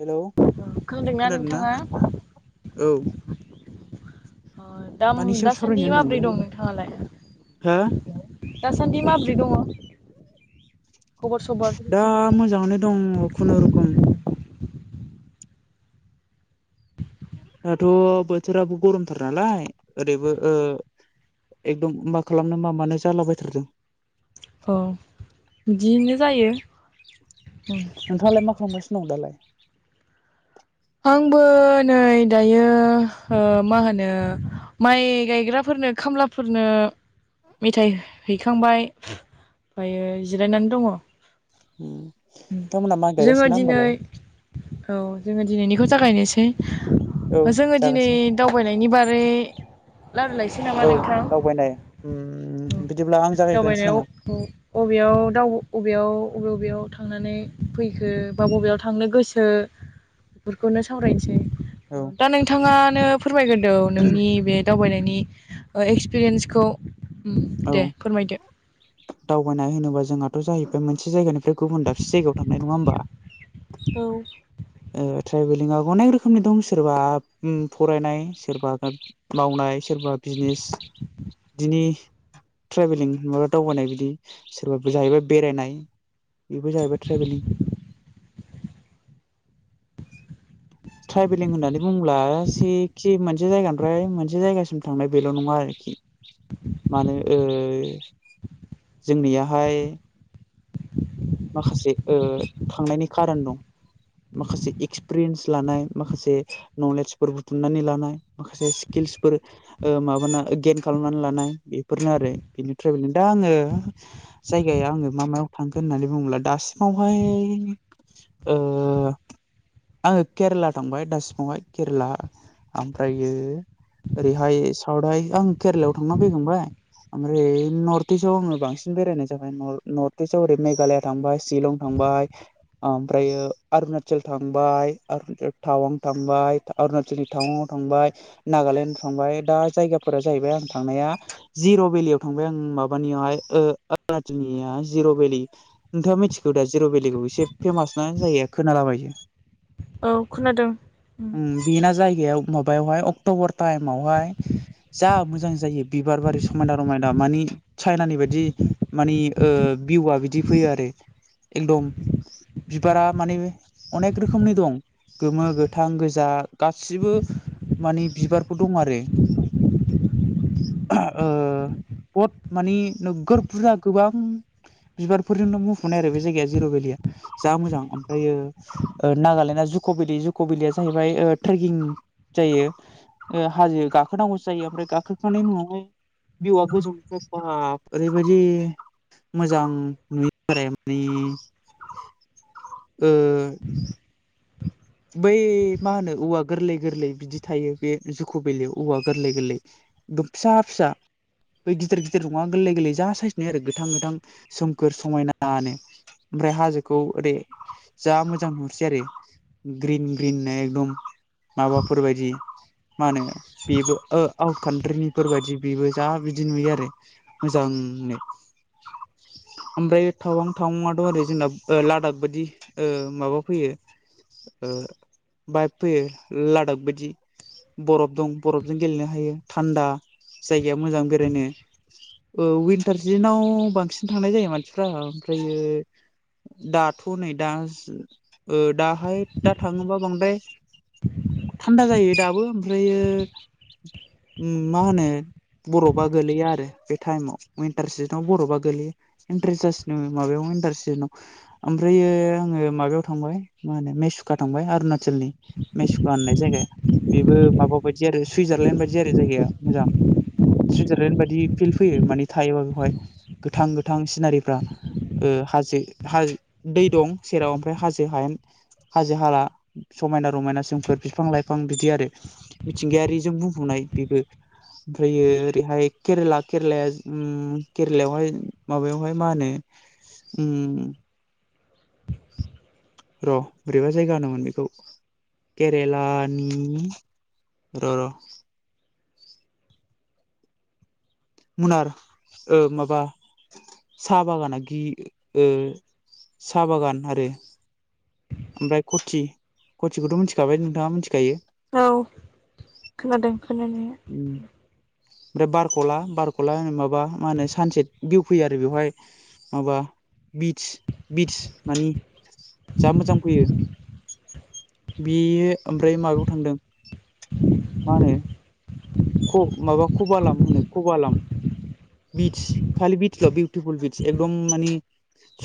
Hello ओ खोनादोंना नोंथाङा औ दाम मानि सायाव दासान्दि सावरायनो माब्रै होनदोंमोनलाय दं नोंथाङालाय? हो दासान्दि माबोरै दङ खबर सबर दा मोजाङनो दङ खुनुरुखुम दाथ' बोथोराबो गरमथार नालाय ओरैबो ओ एकदम मा खालामनो मा मानो जालाबायथारदों औ बिदियनो जायो नोंथाङालाय मा खालामगासिनो दं दालाय आंबो नै दायो मा होनो माइ गायग्राफोरनो खामला फोरनो मेथाइ हैखांबाय ओमफ्रायो जिरायनानै उम उम दङ नोंथांमोनहा माइ जोङो गायगासिनो ना दिनै होमबालाय औ जोङो दिनैनिखौ जागायनोसै औ जोङो दिनै जागासिनो दावबायनायनि बारै रजायलायनोसै नामा औ दावबायनाय उम नोंथां बिदिब्ला आं जागायग्रोनोसै दावबायनायाव नामा औ बबेयाव दाउ बबेयाव बबे बबेयाव थांनानै फैखो बा बबेयाव थांनो गोसो बेफोरखौनो सावरायनोसै औ दा नोंथाङानो फोरमायग्रोदो औ नोंनि बे दावबायनायनि एक्सपिरियेन्सखौ उम औ दे फोरमायदो। दावबायनाय होनोबा जोंहाथ' जाहैबाय मोनसे जायगानिफ्राय गुबुन दाबसे जायगायाव थांनाय नङा होमबा? औ ट्रेभेलिंआ अनेक रोखोमनि दं सोरबा फरायनाय सोरबा मावनाय सोरबा बिजनेस बिदिनि ट्रेभेलिं माबा दावबायनाय बिदि सोरबफोर जाहैबाय बेरायनाय बेबो जाहैबाय ट्रेभेलिं [inaudible] ट्रेभेलिं होननानै बुङोब्ला जिखि मोनसे जायगानिफ्राय मोनसे जायगासिम थांनाय बेल' नङा आरोखि। मानो ओ जोंनियाहाय माखासे ओ थांनायनि कारन दं। माखासे एक्सपिरियेन्स लानाय माखासे नलेजफोर बुथुमनानै लानाय माखासे स्किल्सफोर ओ माबाना गेेन खालामनानै लानाय बेफोरनो आरो बेनि ट्रेभेलिं दा आङो जायगाया आङो मा मायाव थांखो होननानै बुंङोब्ला दासिमावहाय ओ आङो केरेला थांबाय दा सिमावहाय केरेला ओमफ्रायो ओरैहाय साउथहाय आं केरेलायाव थांना फैखांबाय ओमफ्राय नर्थ इस्टआव आङो बांसिन बेरायनाय जाबाय नर्थ इस्टआव ओरै मेघालया थांबाय शिलं थांबाय ओमफ्रायो अरुणाचल थांबाय टावां थांबाय अरुणाचलनि टावांयाव थांबाय नागालेण्डआव थांबाय दा जायगाफोरा जाहैबाय आं थांनाया जिर' भेलियाव थांबाय आं माबानियावहाय अरुणचनिया जिर' भेलि नोंथाङा मिथिखौ दा जिर' भेलिखौ एसे फेमास ना जायगाया खोनालाबायो औ खोनादों उम। बेना जायगायाव माबायावहाय अक्ट'बर टाइमावहाय जा मोजां जायो बिबार बारि समायना रमायना मानि चाइनानि बायदि मानि भिउआ बिदि फैयो आरो एकदम बिबारा माने अनेक रोखोमनि दं गोमो गोथां गोजा गासिबो माने बिबारफोर दं आरो ओ बहद मानि नोगोर बुरजा गोबां बिबार फोरजोंनो मुंफुनाय आरो बे जायगाया जिर' भेलिया जा मोजां ओमफ्रायो नागालेण्डआ जुक' भेलि जुक' भेलिया जाहैबाय ट्रेकिं जायो हाजो गाखोनांगौ जायो ओमफ्राय गाखो खांनायनि उनावहाय भिउआ गोजौनिफ्राय बाब ओरैबायदि मोजां नुयो [inaudible] मानि ओ बै मा होनो औवा गोरलै गोरलै बिदि थायो बे जुख' बेलियाव औवा गोरलै गोरलै एकदम फिसा फिसा बै गिदिर गिदिर नङा गोरलै गोरलै जा सायज नुयो आरो गोथां गोथां सोमखोर समायनानो। ओमफ्राय हाजोखौ ओरै जा मोजां नहुरसै आरो ग्रिन ग्रिननो एकदम माबाफोर बायदि मा होनो बेबो आउट कान्ट्रिनिफोरबायदि बेबो जा बिदि नुयो आरो। मोजांनो ओमफ्राय थावां थावां आथ ओरै जोंना लादाख बायदि माबा फैयो ओ बाय फैयो लादाख बायदि बरफ दं बरफजों गेलेनो हायो थान्दा जायगाया मोजां बेरायनो विनटार सिजेनाव बांसिन थांनाय जायो मानसिफ्रा ओमफ्रयो दाथ नै दा ओ दाहाय दा थाङोबा बांदाय थान्दा जायो दाबो ओमफ्रायो उम मा होनो बरबा गोल्लैयो आरो बे टाइमाव विनटार सिजोनाव बरबा गोगलैयो इन्ट्रे माबायाव इन्टारे ओमफ्रायो आङो माबायाव थांबाय मा होनो मेस थांबाय अरुणाचलनि मेसुखा होननाय जायगाया बेबो माबा बायदि आरो सुइजारलेण्ड बायदि आरो जायगाया मोजां सुइजारलेण्ड बायदि फिल्ड फैयो माने थायोबा बेवहाय गोथां गोथां सिनारिफ्रा ओ हाजो दै दं सेराव ओमफ्राय हाजो हायेन हाजो हाला समायना रमायना सोमफोर बिफां लाइफां बिदि आरो मिथिंगायारिजों बुंहनाय बेबो ओमफ्रायो ओरैहाय केरेला केरेलाया उम केरेलायावहाय माबायावहाय मा होनो उम र बोरैबा जायगा होनोमोन बेखौ? केरेलानि र र मुनार ओ माबा साहा बागाना गि ओ साहा बागान आरो ओमफ्राय कथि कथिखौथ मिथिखाबाय नोंथाङा मिथिखायो औ खोनादों खोनानाया ओमफ्राय बारखला बारखला माबा मा होनो सानसेट भिउ फैयो आरो बेवहाय माबा बित बित्च मानि जा मोजां फैयो। बेयो ओमफ्राय माबायाव थांदों मा होनो? ख माबा खबाल होनो खबाललाम बिच खालि बिचल बिउटिफुल बिच एकदम मानि?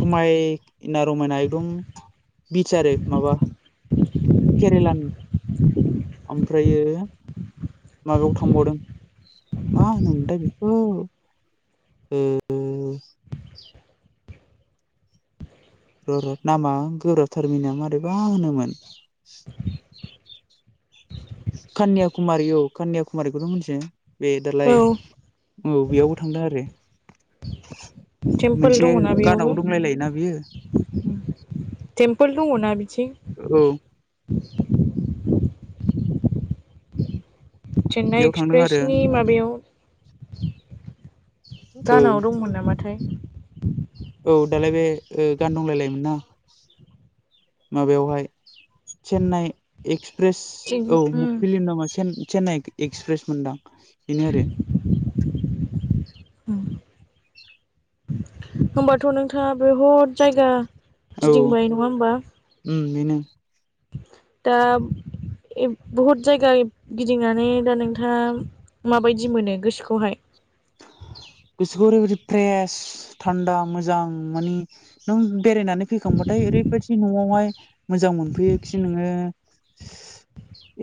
समायना रमायना एकदम बिस आरो माबा केरलानि ओमफ्रायो माबायाव थांबावदों मा होनोमथाय बेखौ [unintelligible] र र नामा गोब्राब थारमिना मारैबा होनोमोन कन्याकुमारि औ कन्याकुमारिखौथ मिथि बे औ दालाय औ बेयावबो थांदों आरो टेम्पोल मोनसे दङना बेयावबो गानाव दंलाय लायोना बियो टेम्पोल दङ ना बिथिं औ चेन्नाइ बेयाव थांदों आरो एक्सप्रेसनि माबायाव औ गानाव दंमोन नामाथाय औ दालाय बे ओ गान दंलायलायोमोन ना माबायावहाय चेन्नाइ एक्सप्रेस थिग औ उम मुखिलि नामा चेन्नाइ एक्सप्रेस मोनदां बेनो आरो। उम होमबाथनोंथाङा बहुद जायगा औ गिदिंबाय नंङा होमबा उम बेनो दा बहुद जायगा गिदिंनानै दा नोंथाङा माबायदि मोनो गोसोखौहाय? गोसोखौ ओरैबायाददि फ्रेस थान्दा मोजां मोन नों बेरायनानै फैखांबाथाय ओरैबायदि नआवहाय मोजां मोनफैयोखि नोङो।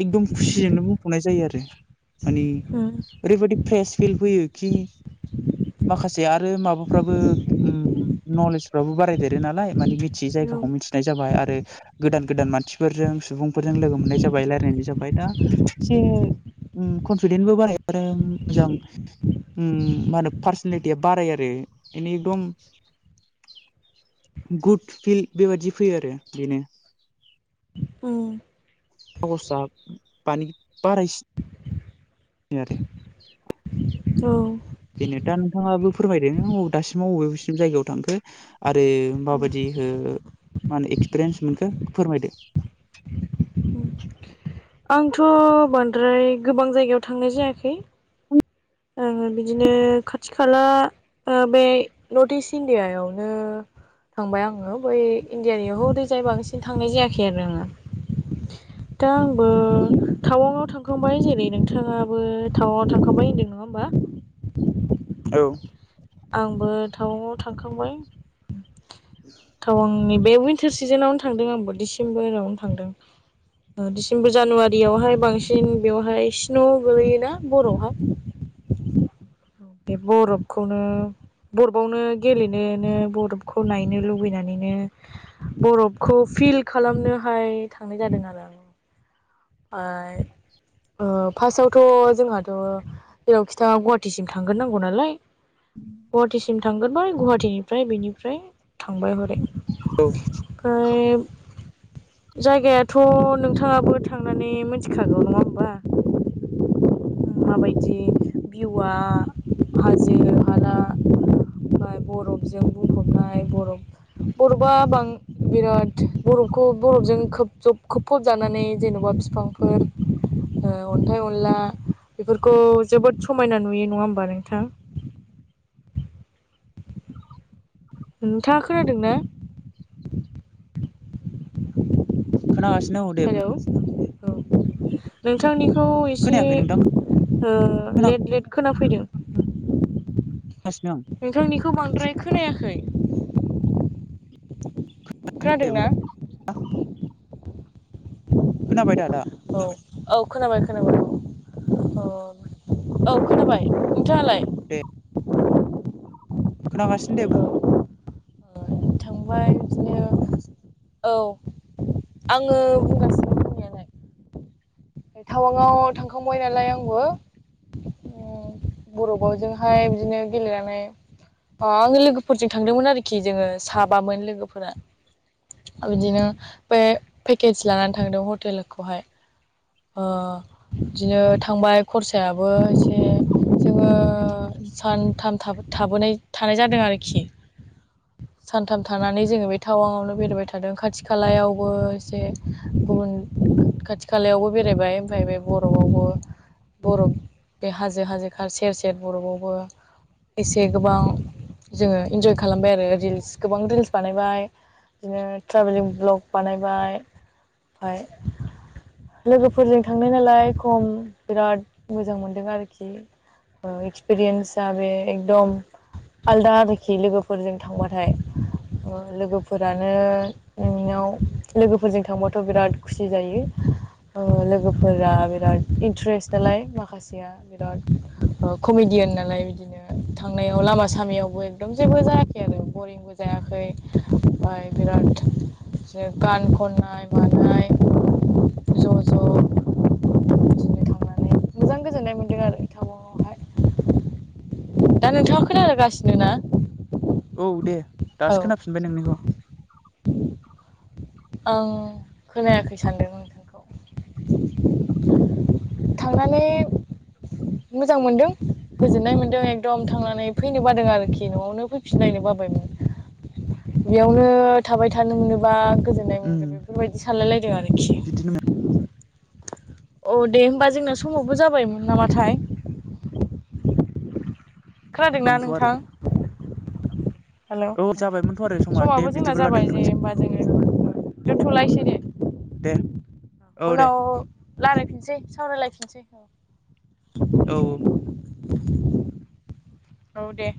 एकदम खुसिजोंनो बुंफ'नाय जायो आरो माने, उम ओरैबायादि फ्रेस फिल फैयो खि [inaudible] माखासे आरो माबाफ्राबो नलेजफ्राबो बारायदेरो नालाय मि थि जायगाखौ मिथिनाय जाबाय आरो गोदान गोदान मानसिफोरजों सुबुंफोरजों लोगो मोननाय जाबाय रायजलायनाय जाबाय दा जों कनफिदेन्सबो बाराय आरो मोजां मा होनो पार्सनेलिटिया बाराय आरो इनि एकदम गुड फिल बेबादि फैयो आरो बेनो। उम खसाब बानि बारायसिनो आरो औ बेेनो दा नोंथाङाबो फोरमायदों बबे दासिमाव बबेसिम जायगायाव थांखो। आरो माबायदिहै माने एक्सपिरियेन्स मोनखो फोरमायदो। आंथ' बांद्राय गोबां जायगायाव थांनाय जायाखै, बिदिनो खाथि खाला बे नर्थ इस्ट इण्डियायावनो थांबाय आङो बै इण्डियानि हरै जायगासिम थांनाय जायाखै आरो आङो। दा आंबो टावाङाव थांखांबाय जेरै नोंथाङाबो टावाङाव थांखांबाय होनदोंमोन। नङा होमबा औ आंबो टाउनाव थांखांबाय, ए [unintelligible] बे उइनटार सिज'नावनो थांदों आंबो डिसेम्बरावनो थांदों। डिसेम्बर जानुवारियावहाय बांसिन बेवहाय स्न' गोलैयोना बर'हा बे बरफखौनो बरफआवनो गेलेनोनो बरफखौ नायनो लुबैनानैनो, बरफखौ फिल खालामनोहाय थांनाय जादों आरो आं। आइ ओ फार्स्टावथ' जोंहाथ' जेरावखि थाङा गुवाहाटिसिम थांग्रो नांगौ नालाय, गुवाहाटिसिम थांग्रबाय गुवाहाटटिनिफ्राय बेनिफ्राय थांबाय हरै औ [unintelligible] जायगायाथ' नोंथाङाबो थांनानै मिथिखागौ नङा होमबा माबायदि भिउआ हाजो हाला, ओमफ्राय बरफजों बुंफबनाय बरफ बरफआ बां बिराद बरफखौ बरफजों खोबजब खोबफबजानानै जेन'बा बिफांफोर, ओ अन्थाइ अनला बेफोरखौ जोबोद समायना नुयो नङा होमबा नोंथां नोंथाङा खोनादों ना? खोनास हेलौ औ नोंथांनिखौ एसे खोनायाखै नोंथां ओ लेट लेट खोनाफैदों। [unintelligible] नोंथांनिखौ बांद्राय खोनायाखै दे बुं खोनादोंना खोनाबाय दा आदा औ औ खोनाबाय खोनाबाय औ अ औ खोनाबाय नोंथाङालाय, दे खोनागासिनो दे बुं थांबाय बिदिनो औ आङो बुंगासिनो टावाङाव थांखांबाय नालाय आंबो बर' बावजोंहाय बिदिनो गेलेनानै अ आङो लोगोफोरजों थांदोंमोन आरोखि जोङो साबामोन लोगोफोरा बिदिनो बे पेकेज लानानै थांदों हटेलखौहाय अ बिदिनो थांबाय खरसायाबो एसे जोङो सानथाम था थाबोनाय थानाय जादों आरोखि [inaudible] सानथाम थानानै जोङो बे टावांआवनो बेरायबाय थादों खाथि खालायावबो एसे गुबुन खाथि खालायावबो बेरायबाय ओमफाय बे बर'बावबो बरफ बे हाजो हाजो खार सेर सेर बरबावबो एसे गोबां जोङो इन्जय खालामबाय आरो रिल्स गोबां रिल्स बानायबाय बिदिनो ट्रेभेलिं ब्लग बानायबाय ओमफाय लोगोफोरजों थांनाय नालाय खम बिराद मोजां मोनदों आरोखि एक्सपिरियेन्सा बे एकदम आलदा आरोखि लोगोफोरजों थांबाथाय लोगोफोरानो नोंनाव लोगोफोरजों थांबाथ' बिराद खुसि जायो ओ लोगोफोरा बिराद इन्ट्रेस्ट नालाय माखासे ना बिराद ओ कमेडियान नालाय बिदिनो थांनायाव लामा सामयावबो एकदम जेबो जायाखै आरो बरिं बो जायाखै ओमफ्राय बिराद गान खननाय मानाय ज' ज' गोजोन्नाय मोनदों आरो टावाङावहाय दा नोंथाङा खोनागासिनो ना औ दे औ दासो खोनाफिनबाय नोंनिखौ आं खोनायाखै सानदों नोंथांखौ थांनानै मोजां मोनदों गोजोननाय मोन्दों एकदम थांनानै फैनो बादों आरोखि न'आवनो फैफिनलायनो बाबायमोन बेयावनो थाबाय थानो मोनोबा गोजोननाय उम मोनगोन बेफोरबायदि सानलाय लायदों आरोखि बिदिनो औ दे हबा जोंना समावबो जाबायमोन नामाथाय खोनादोंना मोनथ' आरो नोंथां? हेल' औ जाबाय समाबो जोंना जाबाय जे होमबा जोङो दोन्थ'लायनोसै दे। दे औ दे उनाव लारायफिनसै सावरायलायफिनसै औ औ [unintelligible] औ दे